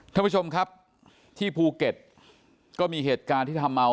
ท่านผู้ชมครับที่ภูเก็ตก็มีเหตุการณ์ที่ทำเอา